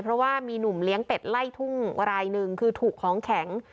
เพราะว่ามีหนุ่มเลี้ยงเป็ดไล่ทุ่งรายหนึ่งคือถูกของแข็ง